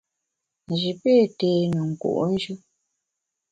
Nji pé té ne nku’njù.